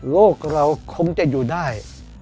โลกเราคงจะอยู่ได้